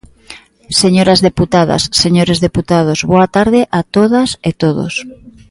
Señoras deputadas, señores deputados, boa tarde a todas e todos.